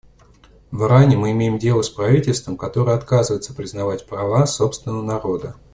В Иране мы имеем дело с правительством, которое отказывается признавать права собственного народа.